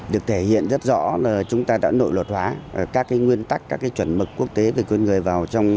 được thể hiện rất rõ là chúng ta đã nội luật hóa các nguyên tắc các chuẩn mực quốc tế về quyền người vào trong